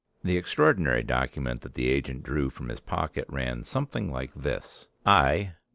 The extraordinary document that the agent drew from his pocket ran something like this: "I